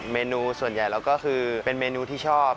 เมนูส่วนใหญ่เราก็คือเป็นเมนูที่ชอบ